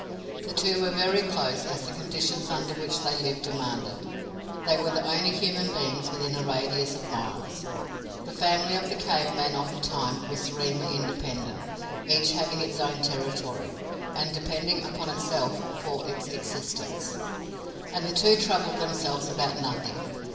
The two were very close, as the conditions under which they lived demanded. They were the only human beings within a radius of miles. The family of the cave man of the time was serenely independent, each having its own territory, and depending upon itself for its existence. And the two troubled themselves about nothing.